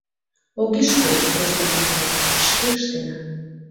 — Огеш кӱл, господин майор, шке ыштена.